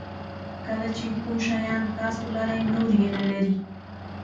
کله چې کوم شیان تاسو لرئ نور یې نه لري.